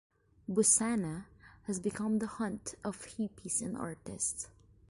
Bussana has become the haunt of hippies and artists.